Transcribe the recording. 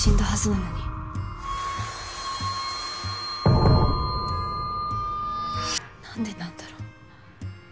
なんでなんだろう。